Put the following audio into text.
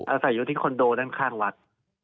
อาศัยอยู่ที่คอนโดด้านข้างวัด